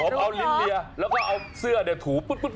ผมเอาลิ้นเลียแล้วก็เอาเสื้อเนี่ยถูปุ๊ด